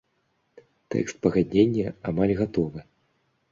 Тэкст пагаднення амаль гатовы.